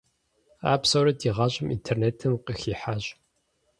А псори ди гъащӀэм интернетым къыхихьащ.